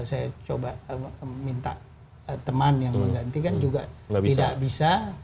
saya coba minta teman yang menggantikan juga tidak bisa